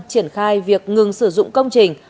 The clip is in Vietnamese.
triển khai việc ngừng sử dụng công trình